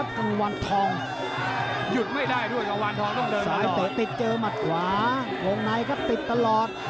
ซ้ายเตะติดเจอมัดกว่าลงน้ายก็ติดตลอด